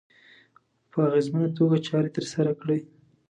په اغېزمنه توګه چارې ترسره کړي.